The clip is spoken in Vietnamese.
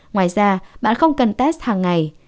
ngoài ra bạn không cần test hàng ngày